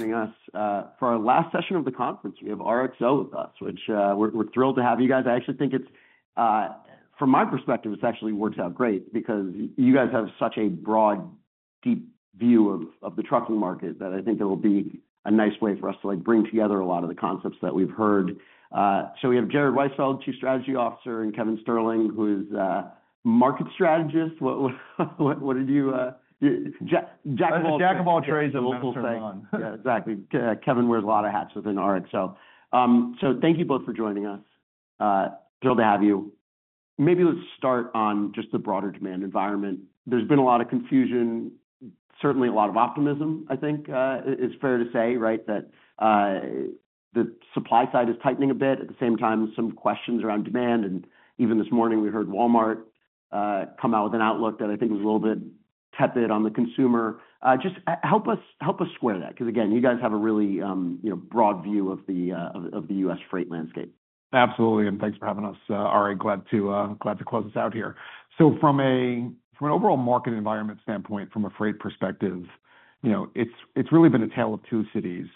Joining us for our last session of the conference. We have RXO with us, which we're thrilled to have you guys. I actually think it's from my perspective, this actually works out great because you guys have such a broad, deep view of the trucking market, that I think it'll be a nice way for us to, like, bring together a lot of the concepts that we've heard. So we have Jared Weisfeld, Chief Strategy Officer, and Kevin Sterling, who is market strategist. What are you, jack of all. Jack of all trades and a little more. Yeah, exactly. Kevin wears a lot of hats within RXO. So thank you both for joining us. Thrilled to have you. Maybe let's start on just the broader demand environment. There's been a lot of confusion, certainly a lot of optimism, I think, it's fair to say, right? That the supply side is tightening a bit. At the same time, some questions around demand, and even this morning, we heard Walmart come out with an outlook that I think is a little bit tepid on the consumer. Just help us, help us square that, because, again, you guys have a really, you know, broad view of the U.S. freight landscape. Absolutely, and thanks for having us. All right, glad to close us out here. So from an overall market environment standpoint, from a freight perspective, you know, it's really been a tale of two cities,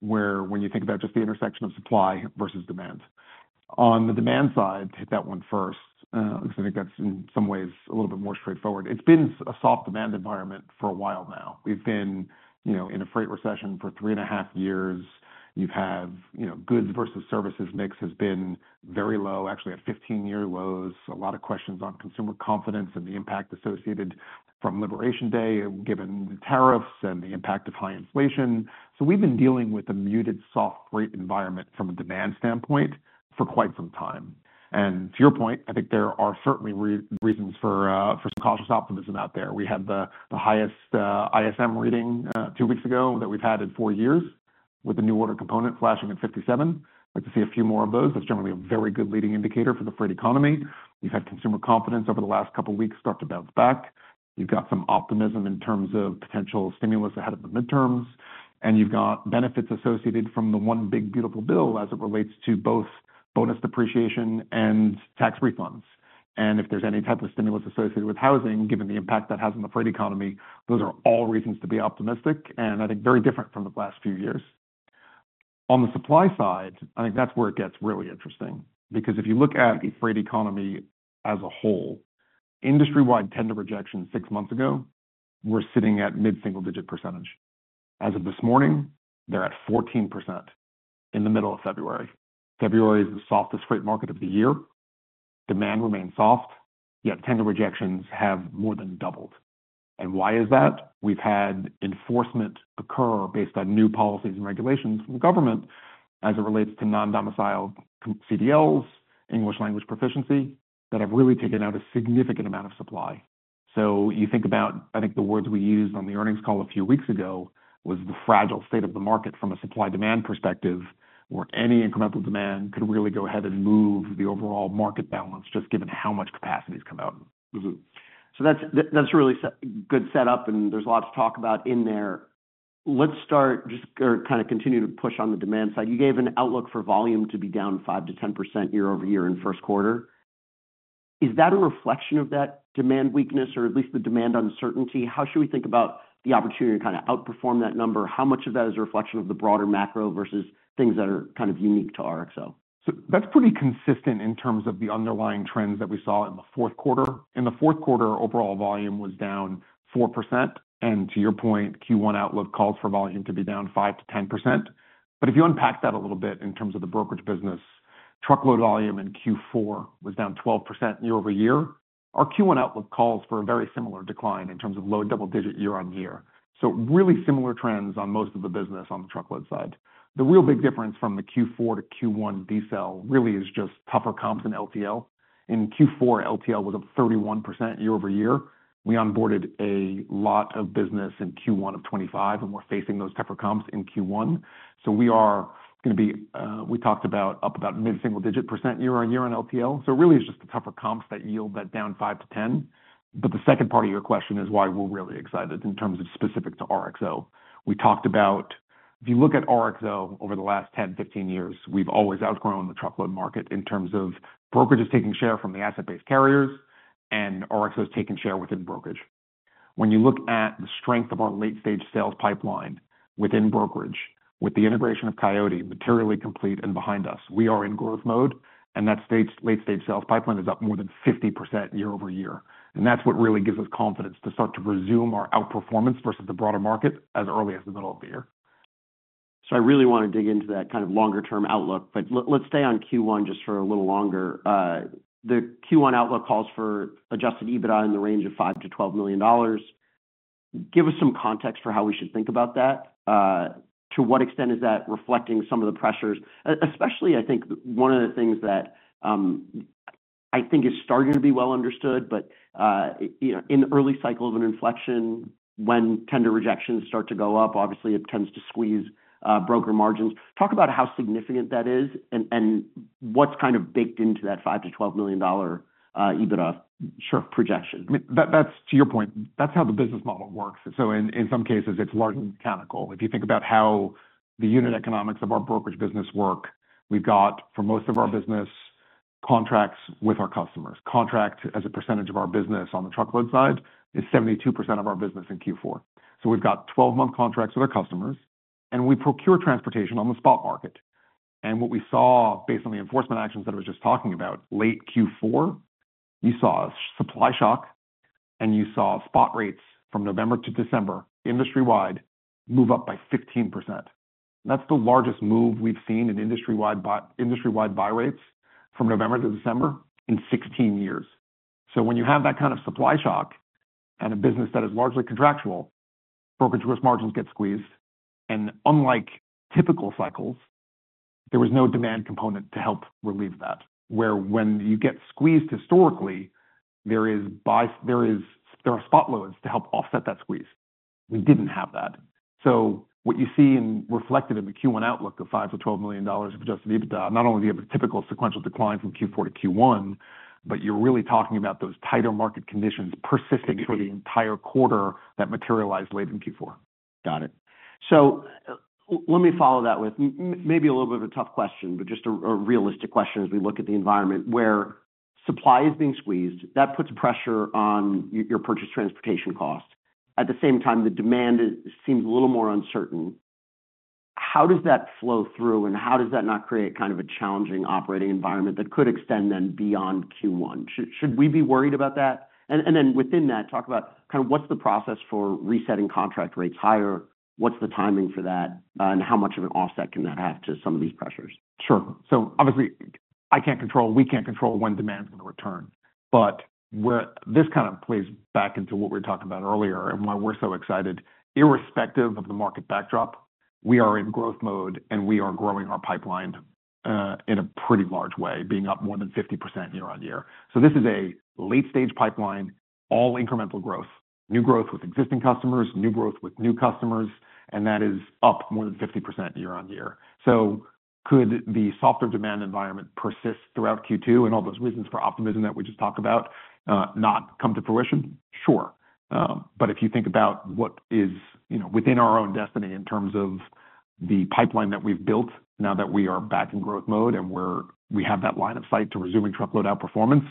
where when you think about just the intersection of supply versus demand. On the demand side, hit that one first, because I think that's in some ways a little bit more straightforward. It's been a soft demand environment for a while now. We've been, you know, in a freight recession for three and a half years. You've had, you know, goods versus services mix has been very low, actually, at 15-year lows. A lot of questions on consumer confidence and the impact associated from Liberation Day, given the tariffs and the impact of high inflation. So we've been dealing with a muted, soft freight environment from a demand standpoint for quite some time. And to your point, I think there are certainly reasons for some cautious optimism out there. We had the highest ISM reading two weeks ago than we've had in four years, with the new order component flashing at 57. Like to see a few more of those. That's generally a very good leading indicator for the freight economy. We've had consumer confidence over the last couple of weeks start to bounce back. We've got some optimism in terms of potential stimulus ahead of the midterms, and you've got benefits associated from the one big, beautiful bill as it relates to both bonus depreciation and tax refunds. If there's any type of stimulus associated with housing, given the impact that has on the freight economy, those are all reasons to be optimistic, and I think very different from the last few years. On the supply side, I think that's where it gets really interesting, because if you look at the freight economy as a whole, industry-wide tender rejections six months ago were sitting at mid-single-digit percentage. As of this morning, they're at 14% in the middle of February. February is the softest freight market of the year. Demand remains soft, yet tender rejections have more than doubled. Why is that? We've had enforcement occur based on new policies and regulations from the government as it relates to non-domiciled CDLs, English language proficiency, that have really taken out a significant amount of supply. So you think about, I think the words we used on the earnings call a few weeks ago, was the fragile state of the market from a supply-demand perspective, where any incremental demand could really go ahead and move the overall market balance, just given how much capacity has come out. Mm-hmm. So that's, that's a really good setup, and there's a lot to talk about in there. Let's start, just, or kind of continue to push on the demand side. You gave an outlook for volume to be down 5%-10% year-over-year in first quarter. Is that a reflection of that demand weakness, or at least the demand uncertainty? How should we think about the opportunity to kind of outperform that number? How much of that is a reflection of the broader macro versus things that are kind of unique to RXO? So that's pretty consistent in terms of the underlying trends that we saw in the fourth quarter. In the fourth quarter, overall volume was down 4%, and to your point, Q1 outlook calls for volume to be down 5%-10%. But if you unpack that a little bit in terms of the brokerage business, truckload volume in Q4 was down 12% year-over-year. Our Q1 outlook calls for a very similar decline in terms of low double-digit year-over-year. So really similar trends on most of the business on the truckload side. The real big difference from the Q4 to Q1 decel really is just tougher comps than LTL. In Q4, LTL was up 31% year-over-year. We onboarded a lot of business in Q1 of 2025, and we're facing those tougher comps in Q1. So we are going to be, we talked about up about mid-single-digit percent year-on-year on LTL. So really, it's just the tougher comps that yield that down 5%-10%. But the second part of your question is why we're really excited in terms of specific to RXO. We talked about, if you look at RXO over the last 10, 15 years, we've always outgrown the truckload market in terms of brokerages taking share from the asset-based carriers, and RXO has taken share within brokerage. When you look at the strength of our late-stage sales pipeline within brokerage, with the integration of Coyote materially complete and behind us, we are in growth mode, and that late-stage sales pipeline is up more than 50% year-over-year. That's what really gives us confidence to start to resume our outperformance versus the broader market as early as the middle of the year. So I really want to dig into that kind of longer-term outlook, but let's stay on Q1 just for a little longer. The Q1 outlook calls for adjusted EBITDA in the range of $5 million-$12 million. Give us some context for how we should think about that. To what extent is that reflecting some of the pressures? Especially, I think, one of the things that, I think is starting to be well understood, but, you know, in the early cycle of an inflection, when tender rejections start to go up, obviously it tends to squeeze, broker margins. Talk about how significant that is and, and what's kind of baked into that $5 million-$12 million adjusted EBITDA projection. That's to your point, that's how the business model works. So in some cases, it's largely mechanical. If you think about how the unit economics of our brokerage business work, we've got, for most of our business, contracts with our customers. Contracts, as a percentage of our business on the truckload side, is 72% of our business in Q4. So we've got 12-month contracts with our customers, and we procure transportation on the spot market. And what we saw, based on the enforcement actions that I was just talking about, late Q4, you saw a supply shock, and you saw spot rates from November to December, industry-wide, move up by 15%. That's the largest move we've seen in industry-wide buy, industry-wide buy rates from November to December in 16 years. So when you have that kind of supply shock and a business that is largely contractual, brokerage gross margins get squeezed, and unlike typical cycles, there was no demand component to help relieve that. Where when you get squeezed historically, there is, there are spot loads to help offset that squeeze. We didn't have that. So what you see reflected in the Q1 outlook of $5 million-$12 million of adjusted EBITDA, not only do you have a typical sequential decline from Q4 to Q1, but you're really talking about those tighter market conditions persisting for the entire quarter that materialized late in Q4. Got it. So let me follow that with maybe a little bit of a tough question, but just a realistic question as we look at the environment where supply is being squeezed, that puts pressure on your purchase transportation costs. At the same time, the demand is, seems a little more uncertain. How does that flow through, and how does that not create kind of a challenging operating environment that could extend then beyond Q1? Should we be worried about that? And then within that, talk about kind of what's the process for resetting contract rates higher, what's the timing for that, and how much of an offset can that have to some of these pressures? Sure. So obviously, I can't control, we can't control when demand is going to return. But where... This kind of plays back into what we were talking about earlier and why we're so excited. Irrespective of the market backdrop, we are in growth mode, and we are growing our pipeline in a pretty large way, being up more than 50% year-on-year. So this is a late-stage pipeline, all incremental growth, new growth with existing customers, new growth with new customers, and that is up more than 50% year-on-year. So could the softer demand environment persist throughout Q2 and all those reasons for optimism that we just talked about not come to fruition? Sure. But if you think about what is, you know, within our own destiny in terms of the pipeline that we've built, now that we are back in growth mode and we have that line of sight to resuming truckload outperformance,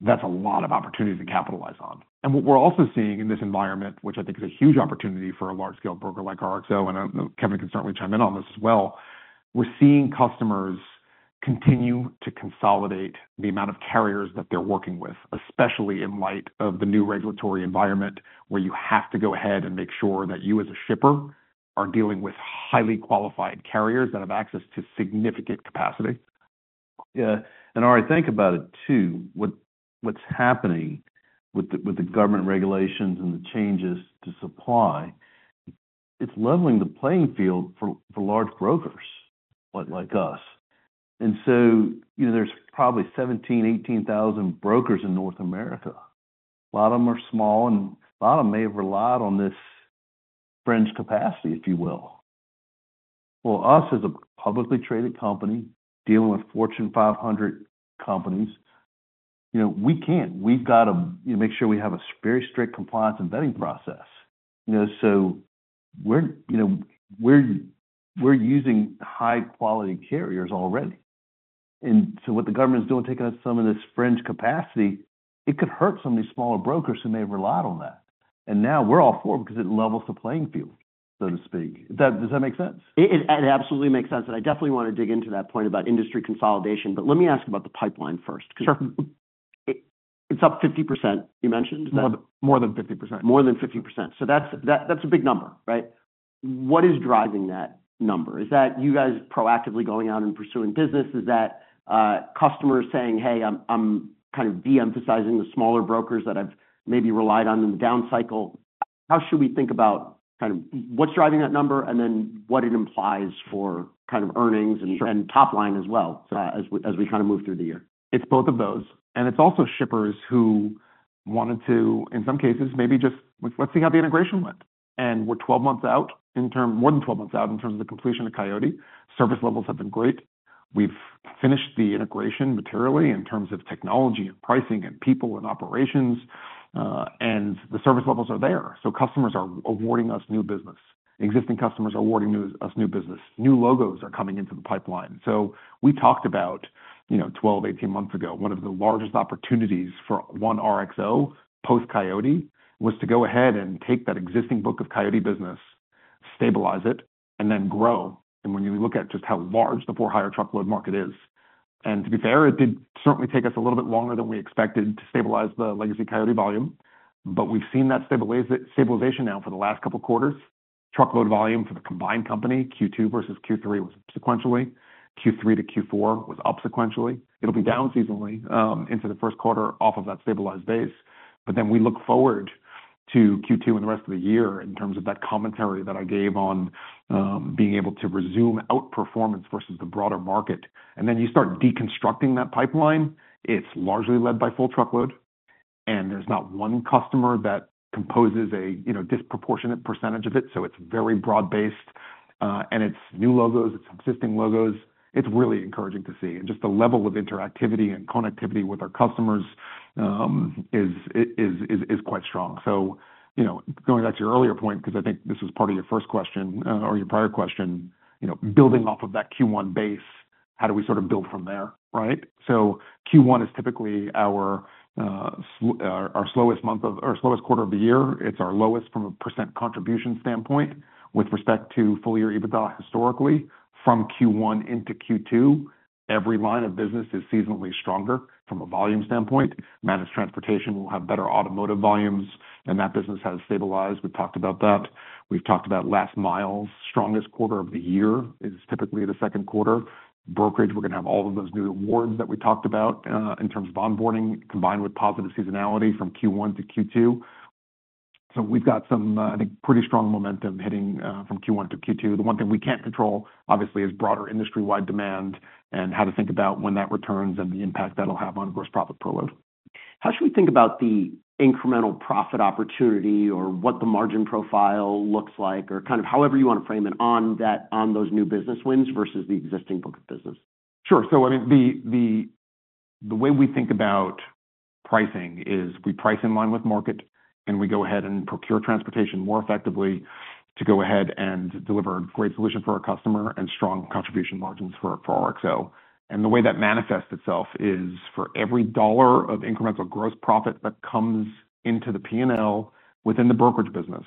that's a lot of opportunity to capitalize on. And what we're also seeing in this environment, which I think is a huge opportunity for a large-scale broker like RXO, and I know Kevin can certainly chime in on this as well, we're seeing customers continue to consolidate the amount of carriers that they're working with, especially in light of the new regulatory environment, where you have to go ahead and make sure that you, as a shipper, are dealing with highly qualified carriers that have access to significant capacity. Yeah, and now I think about it, too, what, what's happening with the, with the government regulations and the changes to supply, it's leveling the playing field for, for large brokers like us. And so, you know, there's probably 17,000-18,000 brokers in North America. A lot of them are small, and a lot of them may have relied on this fringe capacity, if you will. Well, us, as a publicly traded company, dealing with Fortune 500 companies, you know, we can't. We've got to, you know, make sure we have a very strict compliance and vetting process. You know, so we're, you know, we're, we're using high-quality carriers already. And so what the government is doing, taking out some of this fringe capacity, it could hurt some of these smaller brokers who may have relied on that. Now we're all for it because it levels the playing field, so to speak. Does that make sense? It absolutely makes sense, and I definitely want to dig into that point about industry consolidation, but let me ask about the pipeline first. Sure. It's up 50%, you mentioned? More than 50%. More than 50%. So that's, that's a big number, right? What is driving that number? Is that you guys proactively going out and pursuing business? Is that customers saying, "Hey, I'm, I'm kind of de-emphasizing the smaller brokers that I've maybe relied on in the down cycle." How should we think about kind of what's driving that number and then what it implies for kind of earnings and- Sure... and top line as well, as we kind of move through the year? It's both of those. It's also shippers who wanted to, in some cases, maybe just, let's, let's see how the integration went. We're 12 months out in terms—more than 12 months out in terms of the completion of Coyote. Service levels have been great. We've finished the integration materially in terms of technology and pricing and people and operations, and the service levels are there. Customers are awarding us new business. Existing customers are awarding us new business. New logos are coming into the pipeline. We talked about, you know, 12, 18 months ago, one of the largest opportunities for one RXO, post Coyote, was to go ahead and take that existing book of Coyote business, stabilize it, and then grow. And when you look at just how large the for-hire truckload market is, and to be fair, it did certainly take us a little bit longer than we expected to stabilize the legacy Coyote volume, but we've seen that stabilization now for the last couple of quarters. Truckload volume for the combined company, Q2 versus Q3, was sequentially. Q3 to Q4 was up sequentially. It'll be down seasonally into the first quarter off of that stabilized base. But then we look forward to Q2 and the rest of the year in terms of that commentary that I gave on being able to resume outperformance versus the broader market. And then you start deconstructing that pipeline. It's largely led by full truckload, and there's not one customer that composes a disproportionate percentage of it, so it's very broad-based, and it's new logos, it's existing logos. It's really encouraging to see. And just the level of interactivity and connectivity with our customers is quite strong. So, you know, going back to your earlier point, because I think this is part of your first question, or your prior question, you know, building off of that Q1 base, how do we sort of build from there, right? So Q1 is typically our slowest month of, or our slowest quarter of the year. It's our lowest from a percent contribution standpoint, with respect to full-year EBITDA historically. From Q1 into Q2, every line of business is seasonally stronger from a volume standpoint. Managed transportation will have better automotive volumes, and that business has stabilized. We've talked about that. We've talked about last mile, strongest quarter of the year is typically the second quarter. Brokerage, we're going to have all of those new awards that we talked about, in terms of onboarding, combined with positive seasonality from Q1 to Q2. So we've got some, I think, pretty strong momentum heading, from Q1 to Q2. The one thing we can't control, obviously, is broader industry-wide demand and how to think about when that returns and the impact that'll have on gross profit per load. How should we think about the incremental profit opportunity or what the margin profile looks like, or kind of however you want to frame it on that- on those new business wins versus the existing book of business? Sure. So, I mean, the way we think about pricing is we price in line with market, and we go ahead and procure transportation more effectively to go ahead and deliver a great solution for our customer and strong contribution margins for RXO. And the way that manifests itself is for every dollar of incremental gross profit that comes into the P&L within the brokerage business,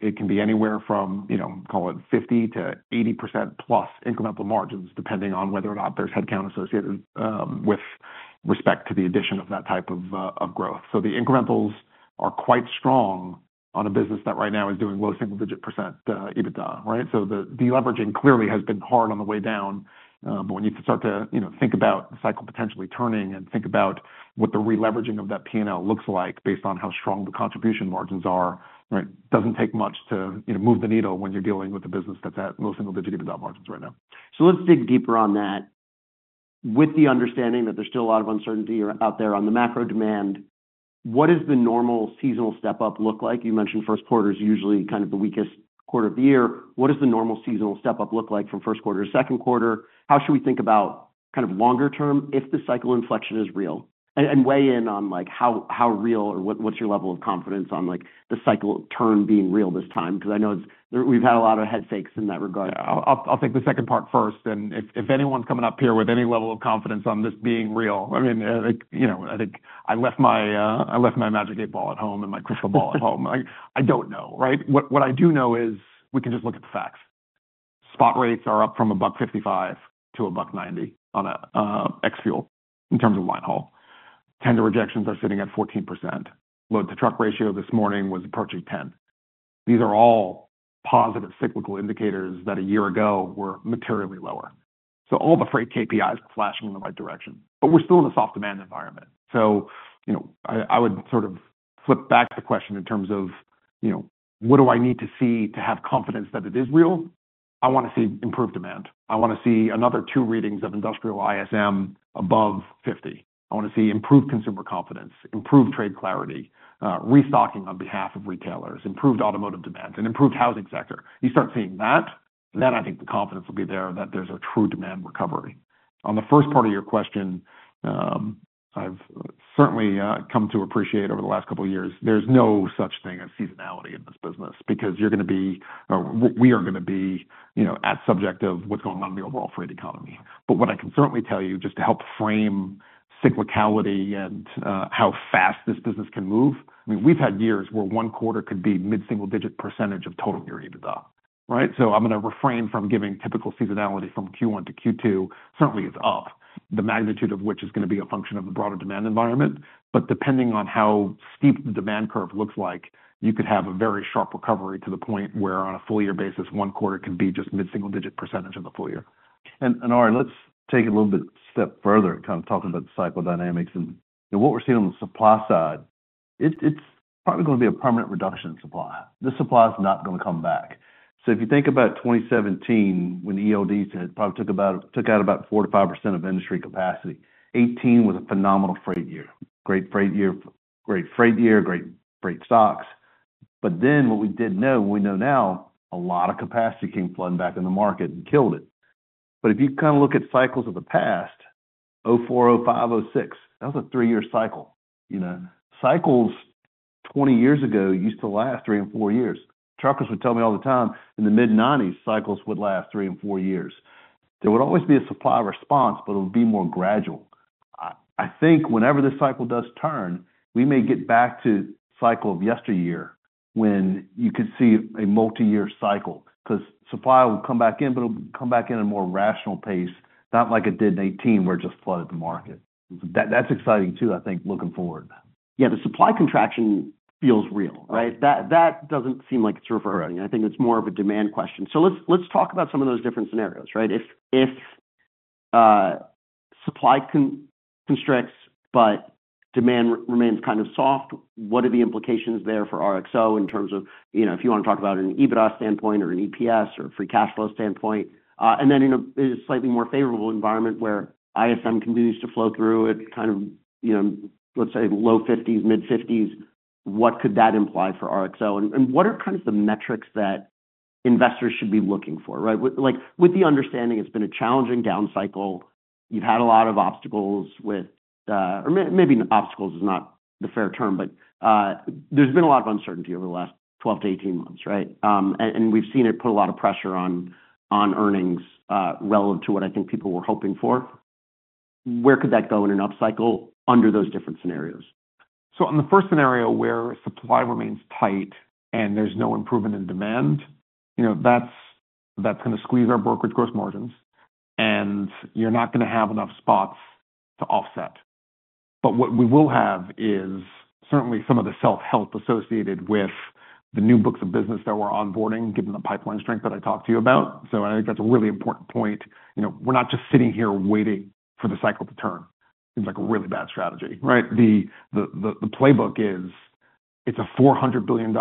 it can be anywhere from, you know, call it 50%-80%+ incremental margins, depending on whether or not there's headcount associated with respect to the addition of that type of growth. So the incrementals are quite strong on a business that right now is doing low single-digit percent EBITDA, right? The deleveraging clearly has been hard on the way down, but when you start to, you know, think about the cycle potentially turning and think about what the releveraging of that P&L looks like based on how strong the contribution margins are, right? It doesn't take much to, you know, move the needle when you're dealing with a business that's at low single digit EBITDA margins right now. So let's dig deeper on that. With the understanding that there's still a lot of uncertainty out there on the macro demand, what is the normal seasonal step-up look like? You mentioned first quarter is usually kind of the weakest quarter of the year. What is the normal seasonal step-up look like from first quarter to second quarter? How should we think about kind of longer term if the cycle inflection is real? And, and weigh in on, like, how, how real or what, what's your level of confidence on, like, the cycle turn being real this time, because I know it's... We've had a lot of head fakes in that regard. Yeah. I'll take the second part first, and if anyone's coming up here with any level of confidence on this being real, I mean, like, you know, I think I left my Magic 8 Ball at home and my crystal ball at home. I don't know, right? What I do know is we can just look at the facts. Spot rates are up from $1.55 to $1.90 ex fuel, in terms of line haul. Tender rejections are sitting at 14%. Load to truck ratio this morning was approaching 10. These are all positive cyclical indicators that a year ago were materially lower. So all the freight KPIs are flashing in the right direction, but we're still in a soft demand environment. So, you know, I would sort of flip back the question in terms of, you know, what do I need to see to have confidence that it is real? I want to see improved demand. I want to see another two readings of industrial ISM above 50. I want to see improved consumer confidence, improved trade clarity, restocking on behalf of retailers, improved automotive demand, and improved housing sector. You start seeing that, then I think the confidence will be there that there's a true demand recovery. On the first part of your question, I've certainly come to appreciate over the last couple of years, there's no such thing as seasonality in this business because you're going to be, or we are going to be, you know, at subject of what's going on in the overall freight economy. But what I can certainly tell you, just to help frame cyclicality and how fast this business can move, I mean, we've had years where one quarter could be mid-single-digit percentage of total year EBITDA, right? So I'm going to refrain from giving typical seasonality from Q1 to Q2. Certainly, it's up, the magnitude of which is going to be a function of the broader demand environment. But depending on how steep the demand curve looks like, you could have a very sharp recovery to the point where on a full year basis, 1/4 could be just mid-single-digit % in the full year. And Andrew, let's take it a little bit step further and kind of talk about the cycle dynamics and what we're seeing on the supply side. It's probably going to be a permanent reduction in supply. The supply is not going to come back. So if you think about 2017, when ELD said, probably took out about 4%-5% of industry capacity, 2018 was a phenomenal freight year. Great freight year, great freight year, great, great stocks. But then what we didn't know, and we know now, a lot of capacity came flooding back in the market and killed it. But if you kind of look at cycles of the past, 2004, 2005, 2006, that was a three-year cycle. You know, cycles 20 years ago used to last three and four years. Truckers would tell me all the time, in the mid-1990s, cycles would last three and four years. There would always be a supply response, but it would be more gradual. I, I think whenever this cycle does turn, we may get back to cycle of yesteryear, when you could see a multi-year cycle. Because supply will come back in, but it'll come back in a more rational pace, not like it did in 2018, where it just flooded the market. That, that's exciting too, I think, looking forward. Yeah, the supply contraction feels real, right? That doesn't seem like it's river running. I think it's more of a demand question. So let's talk about some of those different scenarios, right? If supply constricts, but demand remains kind of soft, what are the implications there for RXO in terms of, you know, if you want to talk about an EBITDA standpoint or an EPS or a free cash flow standpoint. And then in a slightly more favorable environment where ISM continues to flow through at kind of, you know, let's say low 50s, mid-50s, what could that imply for RXO? And what are kind of the metrics that investors should be looking for, right? Like, with the understanding it's been a challenging down cycle. You've had a lot of obstacles with, or maybe obstacles is not the fair term, but, there's been a lot of uncertainty over the last 12-18 months, right? We've seen it put a lot of pressure on earnings, relative to what I think people were hoping for. Where could that go in an upcycle under those different scenarios? So in the first scenario, where supply remains tight and there's no improvement in demand, you know, that's going to squeeze our brokerage gross margins, and you're not going to have enough spots to offset. But what we will have is certainly some of the self-help associated with the new books of business that we're onboarding, given the pipeline strength that I talked to you about. So I think that's a really important point. You know, we're not just sitting here waiting for the cycle to turn. Seems like a really bad strategy, right? The playbook is, it's a $400 billion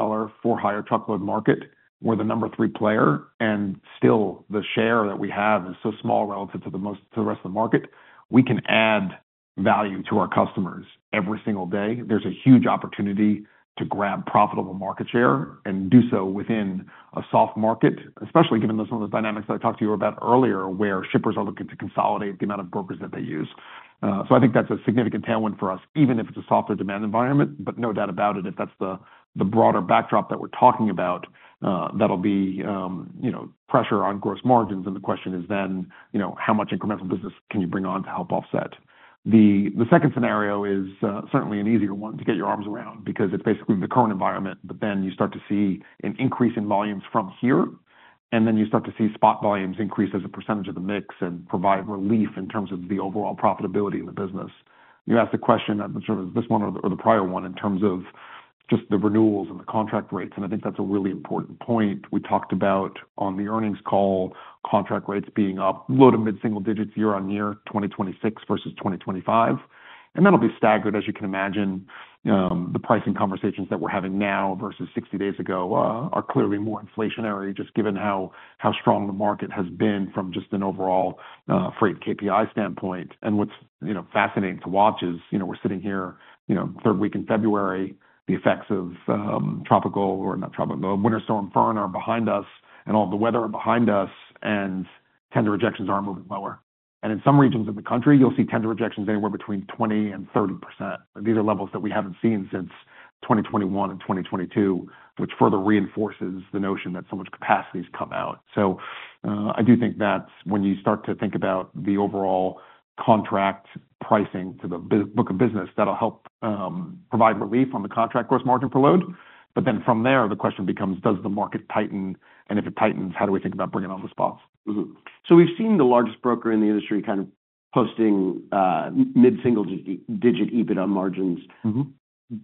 for-hire truckload market, we're the number three player, and still the share that we have is so small relative to the most to the rest of the market. We can add value to our customers every single day. There's a huge opportunity to grab profitable market share and do so within a soft market, especially given those some of the dynamics that I talked to you about earlier, where shippers are looking to consolidate the amount of brokers that they use. So I think that's a significant tailwind for us, even if it's a softer demand environment, but no doubt about it, if that's the broader backdrop that we're talking about, that'll be, you know, pressure on gross margins. And the question is then, you know, how much incremental business can you bring on to help offset? The second scenario is certainly an easier one to get your arms around because it's basically the current environment, but then you start to see an increase in volumes from here, and then you start to see spot volumes increase as a percentage of the mix and provide relief in terms of the overall profitability in the business. You asked a question, sort of this one or the prior one, in terms of just the renewals and the contract rates, and I think that's a really important point. We talked about on the earnings call, contract rates being up low-to-mid single digits year-over-year, 2026 versus 2025. That'll be staggered, as you can imagine. The pricing conversations that we're having now versus 60 days ago are clearly more inflationary, just given how strong the market has been from just an overall freight KPI standpoint. And what's, you know, fascinating to watch is, you know, we're sitting here, you know, third week in February, the effects of tropical or not tropical, Winter Storm Fern are behind us, and all the weather are behind us, and tender rejections are moving lower. And in some regions of the country, you'll see tender rejections anywhere between 20% and 30%. These are levels that we haven't seen since 2021 and 2022, which further reinforces the notion that so much capacity has come out. So, I do think that when you start to think about the overall contract pricing to the book of business, that'll help provide relief on the contract gross margin per load. But then from there, the question becomes: does the market tighten? And if it tightens, how do we think about bringing on the spots? Mm-hmm. So we've seen the largest broker in the industry kind of posting mid-single-digit EBITDA margins. Mm-hmm.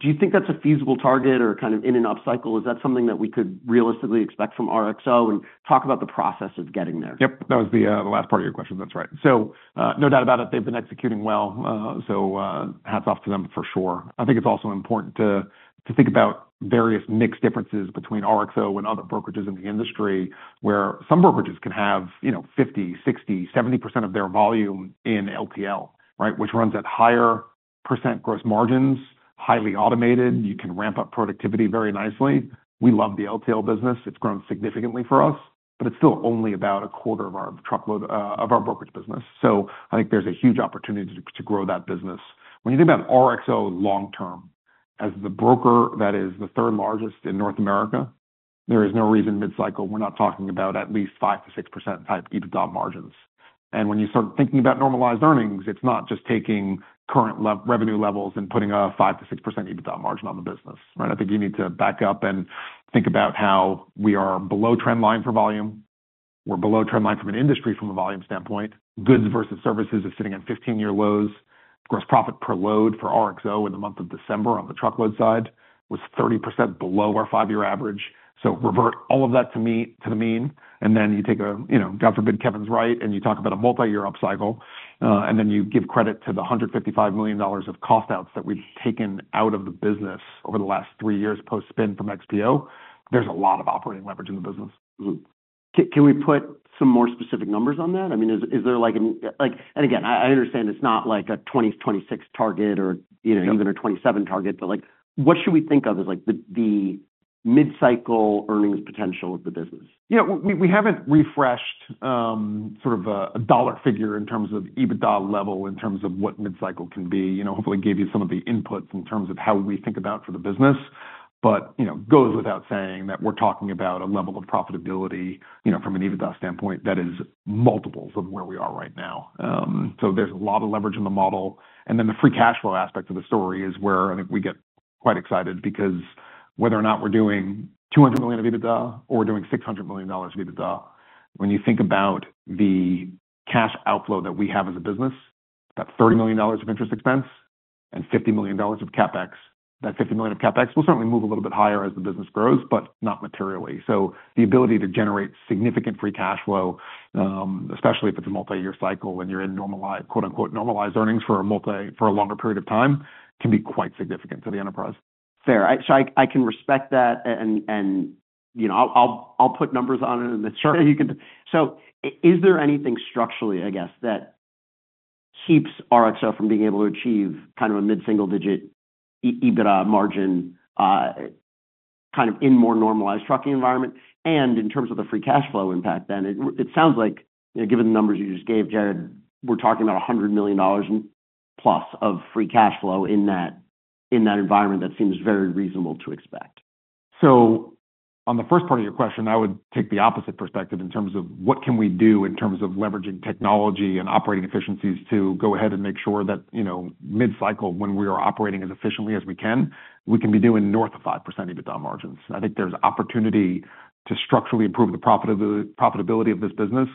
Do you think that's a feasible target or kind of in an up cycle? Is that something that we could realistically expect from RXO, and talk about the process of getting there? Yep, that was the last part of your question. That's right. So, no doubt about it, they've been executing well, so, hats off to them for sure. I think it's also important to think about various mix differences between RXO and other brokerages in the industry, where some brokerages can have, you know, 50%, 60%, 70% of their volume in LTL, right, which runs at higher % gross margins, highly automated. You can ramp up productivity very nicely. We love the LTL business. It's grown significantly for us, but it's still only about 1/4 of our truckload, of our brokerage business. So I think there's a huge opportunity to grow that business. When you think about RXO long term, as the broker, that is the third largest in North America, there is no reason mid-cycle, we're not talking about at least 5%-6% type EBITDA margins. When you start thinking about normalized earnings, it's not just taking current level revenue levels and putting a 5%-6% EBITDA margin on the business. Right, I think you need to back up and think about how we are below trend line for volume. We're below trend line from an industry, from a volume standpoint. Goods versus services is sitting at 15-year lows. Gross profit per load for RXO in the month of December on the truckload side, was 30% below our five-year average. So revert all of that to me, to the mean, and then you take a, you know, God forbid, Kevin's right, and you talk about a multi-year upcycle, and then you give credit to the $155 million of cost outs that we've taken out of the business over the last three years, post-spin from XPO. There's a lot of operating leverage in the business. Mm-hmm. Can we put some more specific numbers on that? I mean, is there like a... Like, and again, I understand it's not like a 2026 target or, you know, even a 2027 target, but, like, what should we think of as like the mid-cycle earnings potential of the business? You know, we haven't refreshed sort of a dollar figure in terms of EBITDA level, in terms of what mid-cycle can be. You know, hopefully, I gave you some of the inputs in terms of how we think about for the business. But, you know, goes without saying that we're talking about a level of profitability, you know, from an EBITDA standpoint, that is multiples of where we are right now. So there's a lot of leverage in the model. And then the free cash flow aspect of the story is where I think we get quite excited, because whether or not we're doing $200 million of EBITDA or we're doing $600 million of EBITDA, when you think about the cash outflow that we have as a business, that $30 million of interest expense and $50 million of CapEx. That $50 million of CapEx will certainly move a little bit higher as the business grows, but not materially. So the ability to generate significant free cash flow, especially if it's a multi-year cycle and you're in normalized, quote, unquote, "normalized earnings" for a longer period of time, can be quite significant for the enterprise. Fair. So I can respect that, and you know, I'll put numbers on it, and then sure you can. So is there anything structurally, I guess, that keeps RXO from being able to achieve kind of a mid-single-digit EBITDA margin, kind of in more normalized trucking environment. And in terms of the free cash flow impact, then it sounds like, you know, given the numbers you just gave, Jared, we're talking about $100 million+ of free cash flow in that environment. That seems very reasonable to expect. So on the first part of your question, I would take the opposite perspective in terms of what can we do in terms of leveraging technology and operating efficiencies to go ahead and make sure that, you know, mid-cycle, when we are operating as efficiently as we can, we can be doing north of 5% EBITDA margins. I think there's opportunity to structurally improve the profitability, profitability of this business,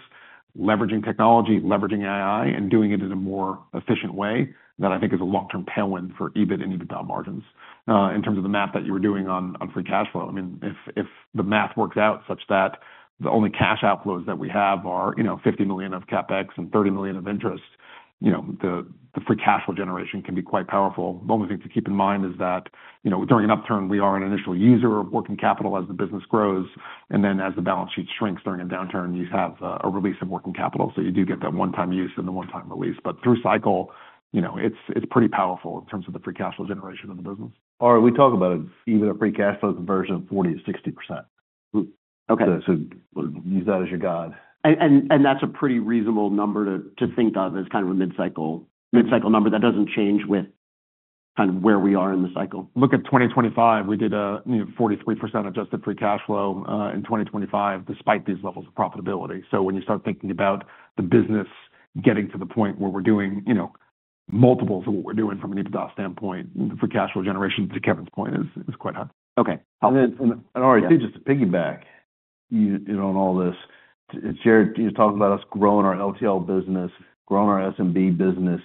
leveraging technology, leveraging AI, and doing it in a more efficient way. That I think, is a long-term tailwind for EBIT and EBITDA margins. In terms of the math that you were doing on, on free cash flow, I mean, if, if the math works out such that the only cash outflows that we have are, you know, $50 million of CapEx and $30 million of interest, you know, the, the free cash flow generation can be quite powerful. The only thing to keep in mind is that, you know, during an upturn, we are an initial user of working capital as the business grows, and then as the balance sheet shrinks during a downturn, you have, a release of working capital. So you do get that one-time use and the one-time release. But through cycle, you know, it's, it's pretty powerful in terms of the free cash flow generation of the business. All right, we talk about it, even a free cash flow conversion of 40%-60%. Okay. So, use that as your guide. And that's a pretty reasonable number to think of as kind of a mid-cycle number. That doesn't change with kind of where we are in the cycle. Look at 2025, we did, you know, 43% adjusted free cash flow in 2025, despite these levels of profitability. So when you start thinking about the business getting to the point where we're doing, you know, multiples of what we're doing from an EBITDA standpoint, for cash flow generation, to Kevin's point, is quite high. Okay. All right, just to piggyback, you know, on all this. Jared, you talked about us growing our LTL business, growing our SMB business.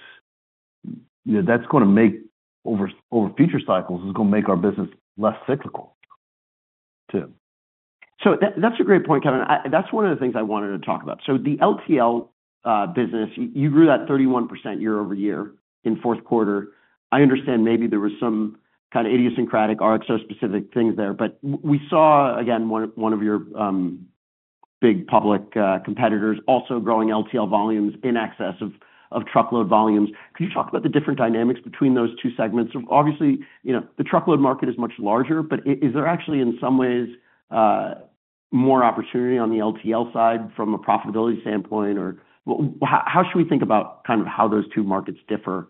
You know, that's gonna make our business less cyclical over future cycles, too. So, that's a great point, Kevin. That's one of the things I wanted to talk about. So the LTL business, you grew that 31% year-over-year in fourth quarter. I understand maybe there was some kind of idiosyncratic RXO specific things there, but we saw, again, one of your big public competitors also growing LTL volumes in excess of truckload volumes. Could you talk about the different dynamics between those two segments? Obviously, you know, the truckload market is much larger, but is there actually, in some ways, more opportunity on the LTL side from a profitability standpoint? Or how should we think about kind of how those two markets differ,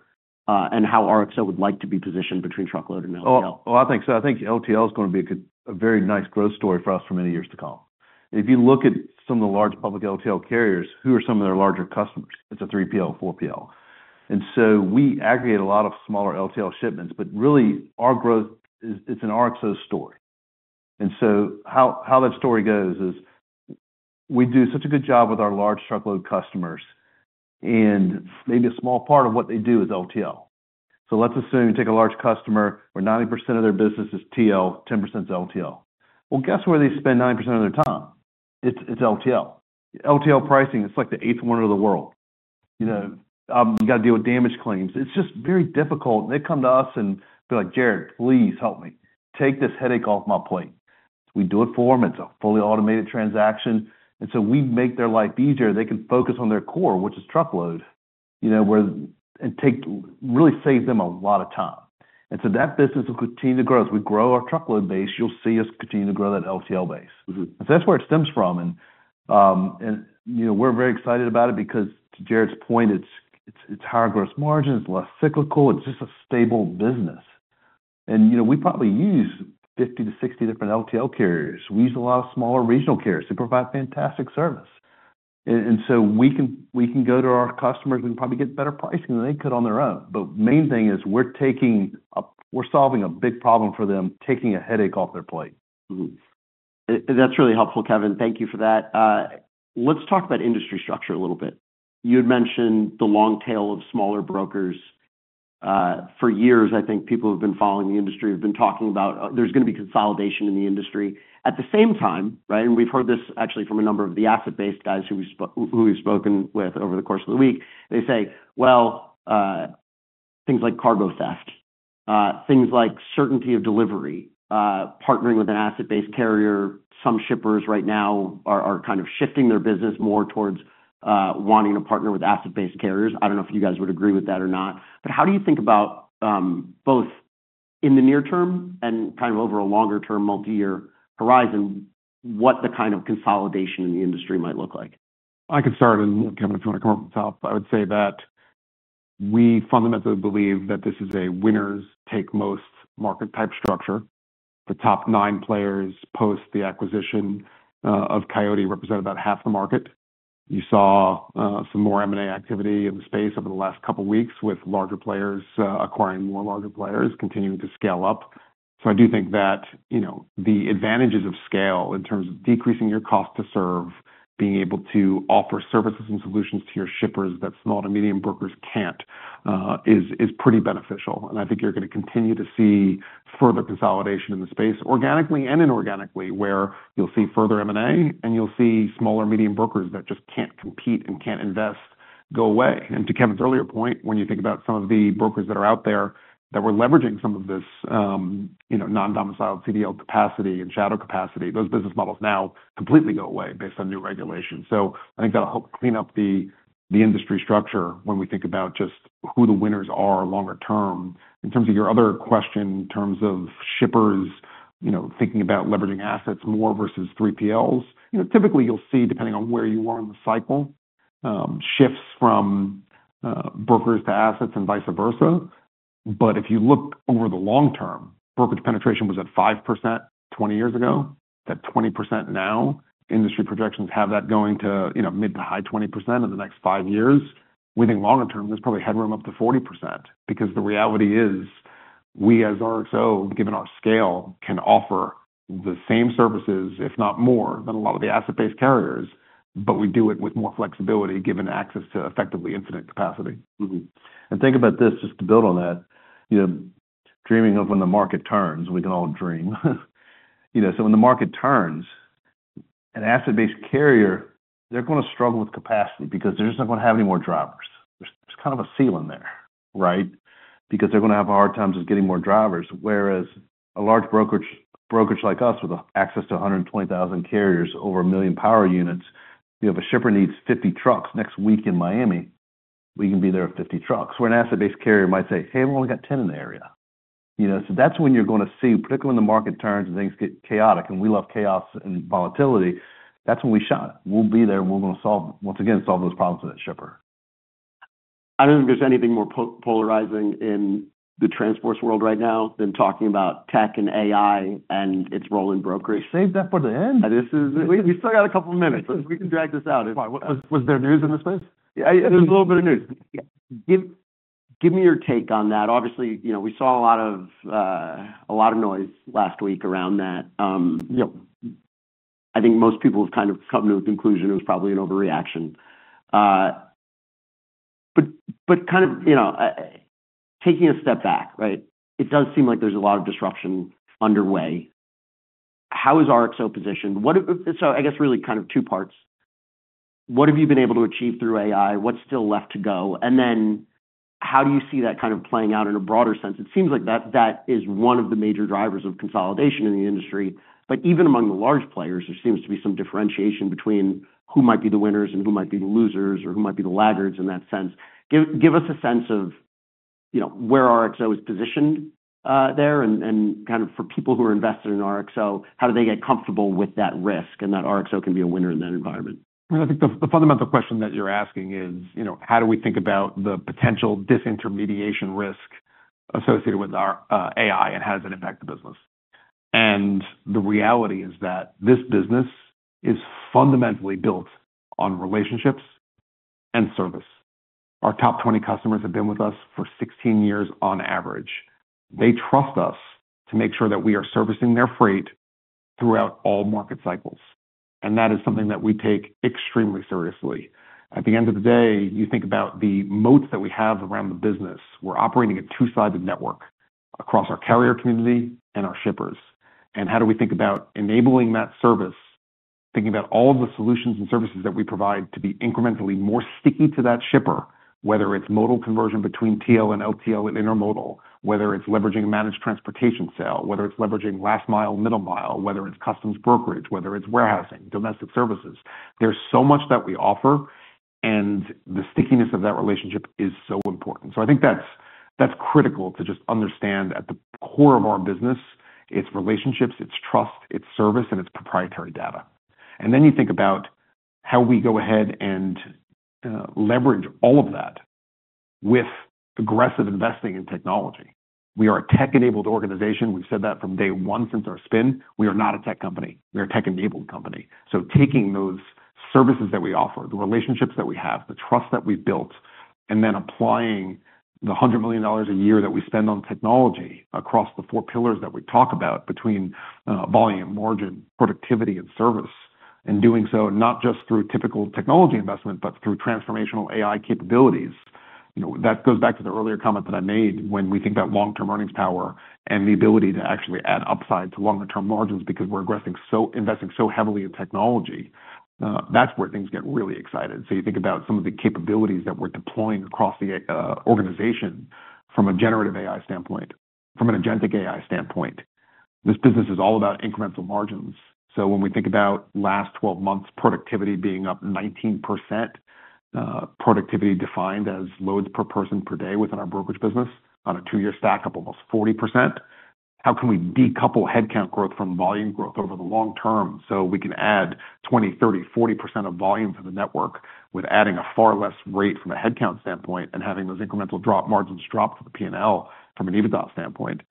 and how RXO would like to be positioned between truckload and LTL? Oh, I think so. I think LTL is going to be a good, a very nice growth story for us for many years to come. If you look at some of the large public LTL carriers, who are some of their larger customers, it's a 3PL, 4PL. And so we aggregate a lot of smaller LTL shipments, but really our growth is, it's an RXO story. And so how, how that story goes is, we do such a good job with our large truckload customers, and maybe a small part of what they do is LTL. So let's assume you take a large customer, where 90% of their business is TL, 10% is LTL. Well, guess where they spend 90% of their time? It's, it's LTL. LTL pricing, it's like the eighth wonder of the world. You know, you got to deal with damage claims. It's just very difficult. And they come to us and be like: "Jared, please help me. Take this headache off my plate." We do it for them. It's a fully automated transaction, and so we make their life easier. They can focus on their core, which is truckload, you know, where really saves them a lot of time. And so that business will continue to grow. As we grow our truckload base, you'll see us continue to grow that LTL base. Mm-hmm. That's where it stems from. You know, we're very excited about it because to Jared's point, it's higher gross margin, it's less cyclical, it's just a stable business. You know, we probably use 50-60 different LTL carriers. We use a lot of smaller regional carriers. They provide fantastic service. And so we can go to our customers and probably get better pricing than they could on their own. But main thing is we're solving a big problem for them, taking a headache off their plate. Mm-hmm. That's really helpful, Kevin. Thank you for that. Let's talk about industry structure a little bit. You had mentioned the long tail of smaller brokers. For years, I think people who have been following the industry have been talking about, there's going to be consolidation in the industry. At the same time, right, and we've heard this actually from a number of the asset-based guys who we've spoken with over the course of the week. They say, well, things like cargo theft, things like certainty of delivery, partnering with an asset-based carrier. Some shippers right now are kind of shifting their business more towards wanting to partner with asset-based carriers. I don't know if you guys would agree with that or not, but how do you think about both in the near term and kind of over a longer term, multi-year horizon, what the kind of consolidation in the industry might look like? I can start, and, Kevin, if you want to come up with the top. I would say that we fundamentally believe that this is a winners take most market type structure. The top nine players post the acquisition of Coyote represent about half the market. You saw some more M&A activity in the space over the last couple of weeks, with larger players acquiring more larger players, continuing to scale up. So I do think that, you know, the advantages of scale in terms of decreasing your cost to serve, being able to offer services and solutions to your shippers that small to medium brokers can't, is pretty beneficial. I think you're going to continue to see further consolidation in the space, organically and inorganically, where you'll see further M&A, and you'll see small or medium brokers that just can't compete and can't invest go away. To Kevin's earlier point, when you think about some of the brokers that are out there that were leveraging some of this, you know, non-domiciled CDL capacity and shadow capacity, those business models now completely go away based on new regulations. I think that'll help clean up the, the industry structure when we think about just who the winners are longer term. In terms of your other question, in terms of shippers, you know, thinking about leveraging assets more versus 3PLs. You know, typically you'll see, depending on where you are in the cycle, shifts from brokers to assets and vice versa. But if you look over the long term, brokerage penetration was at 5% 20 years ago, at 20% now. Industry projections have that going to, you know, mid- to high 20% in the next five years. We think longer term, there's probably headroom up to 40%, because the reality is, we, as RXO, given our scale, can offer the same services, if not more, than a lot of the asset-based carriers, but we do it with more flexibility, given access to effectively infinite capacity. Mm-hmm. And think about this, just to build on that, you know, dreaming of when the market turns, we can all dream. You know, so when the market turns, an asset-based carrier, they're going to struggle with capacity because they're just not going to have any more drivers. There's kind of a ceiling there, right? Because they're going to have a hard time just getting more drivers. Whereas a large brokerage, brokerage like us, with access to 120,000 carriers, over 1 million power units, if a shipper needs 50 trucks next week in Miami, we can be there with 50 trucks. Where an asset-based carrier might say, "Hey, we've only got 10 in the area." You know, so that's when you're going to see, particularly when the market turns and things get chaotic, and we love chaos and volatility, that's when we shine. We'll be there, and we're going to solve, once again, solve those problems for that shipper. I don't think there's anything more polarizing in the transport world right now than talking about tech and AI and its role in brokerage. Saved that for the end? We still got a couple of minutes. We can drag this out. Why? Was there news in this space? Yeah, there's a little bit of news. Give, give me your take on that. Obviously, you know, we saw a lot of, a lot of noise last week around that. Yep. I think most people have kind of come to a conclusion, it was probably an overreaction. But, but kind of, you know, taking a step back, right? It does seem like there's a lot of disruption underway. How is RXO positioned? What if... So I guess really kind of two parts: What have you been able to achieve through AI? What's still left to go? And then how do you see that kind of playing out in a broader sense? It seems like that, that is one of the major drivers of consolidation in the industry, but even among the large players, there seems to be some differentiation between who might be the winners and who might be the losers or who might be the laggards in that sense. Give us a sense of, you know, where RXO is positioned, there, and kind of for people who are invested in RXO, how do they get comfortable with that risk and that RXO can be a winner in that environment? I think the fundamental question that you're asking is, you know, how do we think about the potential disintermediation risk associated with our AI and how does it impact the business? And the reality is that this business is fundamentally built on relationships and service. Our top 20 customers have been with us for 16 years on average. They trust us to make sure that we are servicing their freight throughout all market cycles, and that is something that we take extremely seriously. At the end of the day, you think about the moats that we have around the business. We're operating a two-sided network across our carrier community and our shippers. And how do we think about enabling that service, thinking about all of the solutions and services that we provide to be incrementally more sticky to that shipper, whether it's modal conversion between TL and LTL and intermodal, whether it's leveraging a managed transportation sale, whether it's leveraging last mile, middle mile, whether it's customs brokerage, whether it's warehousing, domestic services. There's so much that we offer, and the stickiness of that relationship is so important. So I think that's, that's critical to just understand at the core of our business, it's relationships, it's trust, it's service, and it's proprietary data. And then you think about how we go ahead and leverage all of that with aggressive investing in technology. We are a tech-enabled organization. We've said that from day one since our spin. We are not a tech company. We are a tech-enabled company. So taking those services that we offer, the relationships that we have, the trust that we've built, and then applying the $100 million a year that we spend on technology across the four pillars that we talk about between volume, margin, productivity, and service, and doing so not just through typical technology investment, but through Transformational AI capabilities. You know, that goes back to the earlier comment that I made when we think about long-term earnings power and the ability to actually add upside to longer-term margins because we're investing so heavily in technology, that's where things get really exciting. So you think about some of the capabilities that we're deploying across the organization from a generative AI standpoint, from an agentic AI standpoint. This business is all about incremental margins. So when we think about last 12 months, productivity being up 19%, productivity defined as loads per person per day within our brokerage business on a two-year stack up, almost 40%. How can we decouple headcount growth from volume growth over the long term, so we can add 20%, 30%, 40% of volume to the network with adding a far less rate from a headcount standpoint and having those incremental drop margins drop for the P&L from an EBITDA standpoint?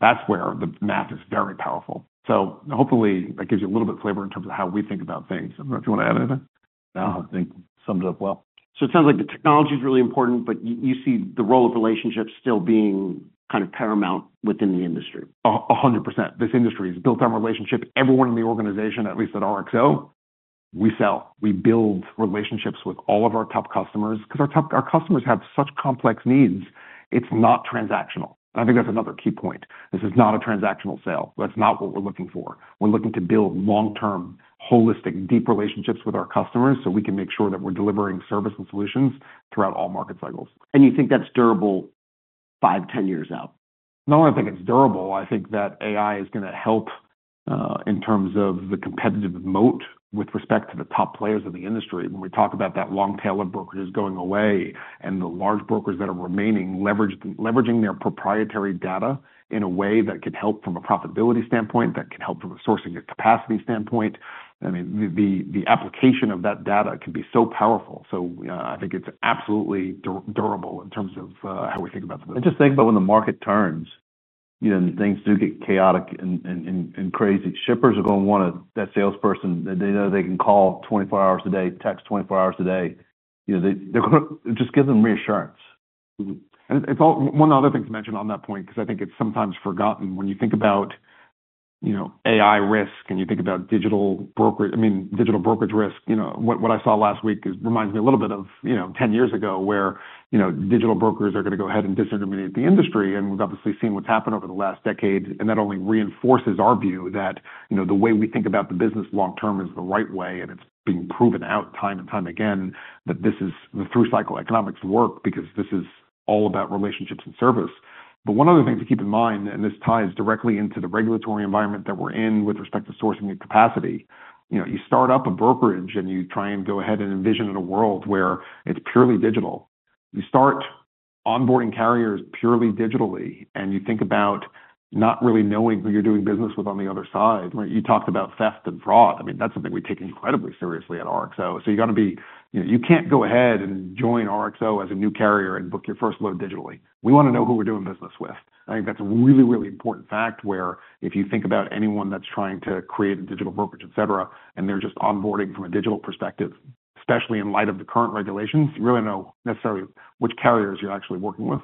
That's where the math is very powerful. So hopefully, that gives you a little bit of flavor in terms of how we think about things. I don't know if you want to add anything. No, I think you summed it up well. So it sounds like the technology is really important, but you see the role of relationships still being kind of paramount within the industry. 100%. This industry is built on relationship. Everyone in the organization, at least at RXO, we sell. We build relationships with all of our top customers, because our top-- our customers have such complex needs.... It's not transactional. I think that's another key point. This is not a transactional sale. That's not what we're looking for. We're looking to build long-term, holistic, deep relationships with our customers, so we can make sure that we're delivering service and solutions throughout all market cycles. You think that's durable five, 10 years out? Not only I think it's durable. I think that AI is gonna help in terms of the competitive moat with respect to the top players in the industry. When we talk about that long tail of brokers going away, and the large brokers that are remaining, leveraging their proprietary data in a way that could help from a profitability standpoint, that can help from a sourcing and capacity standpoint. I mean, the application of that data can be so powerful. So, I think it's absolutely durable in terms of how we think about the- Just think about when the market turns, you know, and things do get chaotic and crazy. Shippers are gonna want that salesperson that they know they can call 24 hours a day, text 24 hours a day. You know, they're gonna just give them reassurance. Mm-hmm. And one other thing to mention on that point, because I think it's sometimes forgotten when you think about, you know, AI risk, and you think about digital brokerage, I mean, digital brokerage risk. You know, what I saw last week reminds me a little bit of, you know, 10 years ago, where, you know, digital brokers are going to go ahead and disintermediate the industry, and we've obviously seen what's happened over the last decade. And that only reinforces our view that, you know, the way we think about the business long term is the right way, and it's being proven out time and time again, that this is the through cycle economics work, because this is all about relationships and service. But one other thing to keep in mind, and this ties directly into the regulatory environment that we're in with respect to sourcing and capacity. You know, you start up a brokerage, and you try and go ahead and envision in a world where it's purely digital. You start onboarding carriers purely digitally, and you think about not really knowing who you're doing business with on the other side. Right, you talked about theft and fraud. I mean, that's something we take incredibly seriously at RXO. So you got to be, you know, you can't go ahead and join RXO as a new carrier and book your first load digitally. We want to know who we're doing business with. I think that's a really, really important fact, where if you think about anyone that's trying to create a digital brokerage, et cetera, and they're just onboarding from a digital perspective, especially in light of the current regulations, you really don't know necessarily which carriers you're actually working with.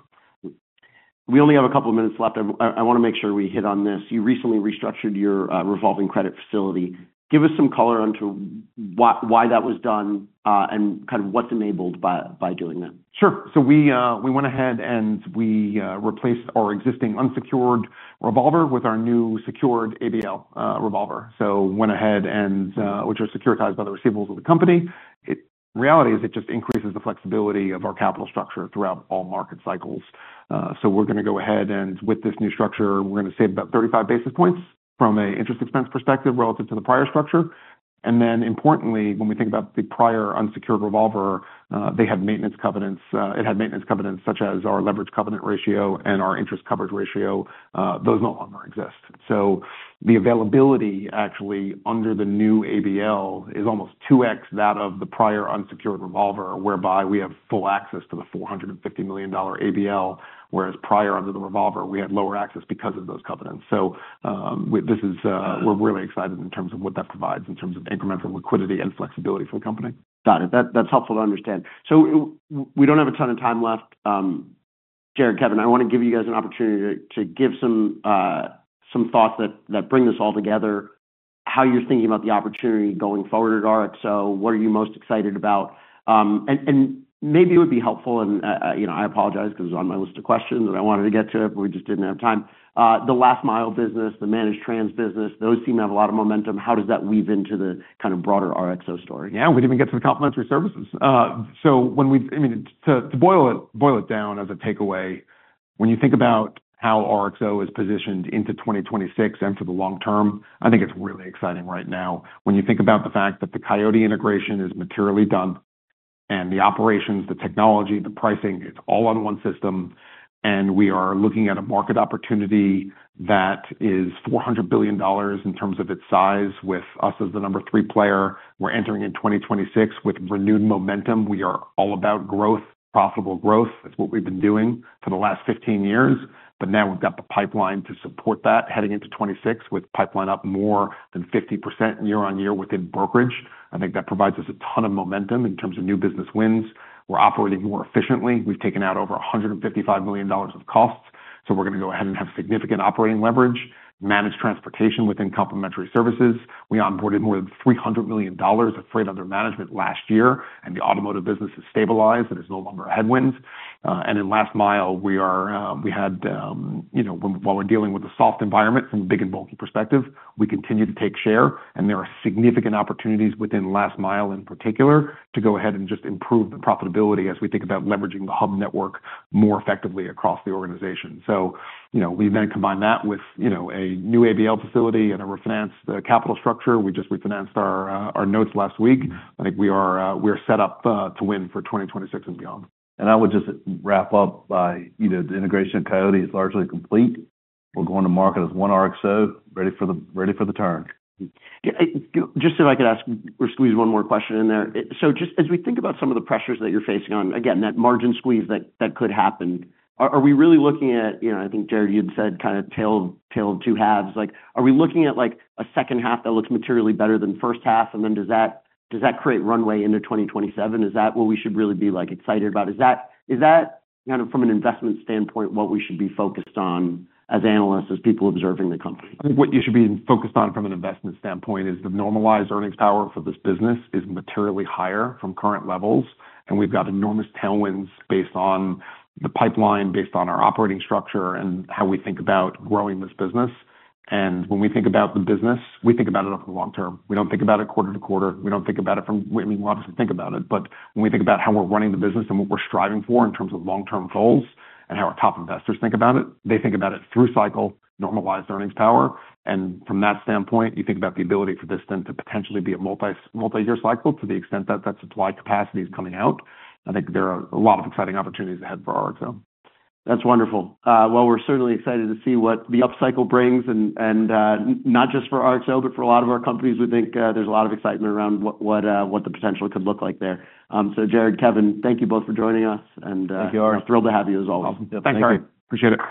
We only have a couple of minutes left. I, I want to make sure we hit on this. You recently restructured your revolving credit facility. Give us some color onto why, why that was done, and kind of what's enabled by, by doing that. Sure. So we went ahead, and we replaced our existing unsecured revolver with our new secured ABL revolver, which was securitized by the receivables of the company. Reality is it just increases the flexibility of our capital structure throughout all market cycles. So we're going to go ahead, and with this new structure, we're going to save about 35 basis points from a interest expense perspective relative to the prior structure. And then importantly, when we think about the prior unsecured revolver, they had maintenance covenants, it had maintenance covenants such as our leverage covenant ratio and our interest coverage ratio. Those no longer exist. The availability actually under the new ABL is almost 2x that of the prior unsecured revolver, whereby we have full access to the $450 million ABL, whereas prior, under the revolver, we had lower access because of those covenants. So, this is, we're really excited in terms of what that provides in terms of incremental liquidity and flexibility for the company. Got it. That's helpful to understand. So we don't have a ton of time left. Jared, Kevin, I want to give you guys an opportunity to give some thoughts that bring this all together, how you're thinking about the opportunity going forward at RXO, what are you most excited about? And maybe it would be helpful, and you know, I apologize because it's on my list of questions that I wanted to get to, but we just didn't have time. The last mile business, the managed transportation business, those seem to have a lot of momentum. How does that weave into the kind of broader RXO story? Yeah, we didn't even get to the complementary services. So when we—I mean, to boil it down as a takeaway, when you think about how RXO is positioned into 2026 and for the long term, I think it's really exciting right now. When you think about the fact that the Coyote integration is materially done and the operations, the technology, the pricing, it's all on one system, and we are looking at a market opportunity that is $400 billion in terms of its size, with us as the number three player. We're entering in 2026 with renewed momentum. We are all about growth, profitable growth. That's what we've been doing for the last 15 years, but now we've got the pipeline to support that, heading into 2026, with pipeline up more than 50% year-on-year within brokerage. I think that provides us a ton of momentum in terms of new business wins. We're operating more efficiently. We've taken out over $155 million of costs, so we're going to go ahead and have significant operating leverage, managed transportation within complementary services. We onboarded more than $300 million of freight under management last year, and the automotive business is stabilized, and it's no longer a headwind. And in last mile, we are, you know, while we're dealing with a soft environment from a big and bulky perspective, we continue to take share, and there are significant opportunities within last mile, in particular, to go ahead and just improve the profitability as we think about leveraging the hub network more effectively across the organization. So, you know, we then combine that with, you know, a new ABL facility and a refinance, the capital structure. We just refinanced our our notes last week. I think we are, we are set up, to win for 2026 and beyond. I would just wrap up by, you know, the integration of Coyote is largely complete. We're going to market as one RXO, ready for the, ready for the turn. Just if I could ask or squeeze one more question in there. So just as we think about some of the pressures that you're facing on, again, that margin squeeze that could happen, are we really looking at, you know, I think, Jared, you had said kind of tale of two halves. Like, are we looking at, like, a second half that looks materially better than the first half? And then does that create runway into 2027? Is that what we should really be, like, excited about? Is that kind of from an investment standpoint what we should be focused on as analysts, as people observing the company? I think what you should be focused on from an investment standpoint is the normalized earnings power for this business is materially higher from current levels, and we've got enormous tailwinds based on the pipeline, based on our operating structure and how we think about growing this business. And when we think about the business, we think about it over the long term. We don't think about it quarter to quarter. We don't think about it from—we obviously think about it, but when we think about how we're running the business and what we're striving for in terms of long-term goals and how our top investors think about it, they think about it through cycle, normalized earnings power. And from that standpoint, you think about the ability for this then to potentially be a multi-multi-year cycle to the extent that that supply capacity is coming out. I think there are a lot of exciting opportunities ahead for RXO. That's wonderful. Well, we're certainly excited to see what the upcycle brings, and not just for RXO, but for a lot of our companies. We think there's a lot of excitement around what the potential could look like there. So Jared, Kevin, thank you both for joining us, and Thank you. Thrilled to have you as always. Thanks, Andrew. Appreciate it.